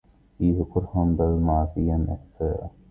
فيه كَرْهاً بل مُعفياً إعفاءَ